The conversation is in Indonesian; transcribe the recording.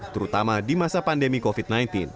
terutama di masa pandemi covid sembilan belas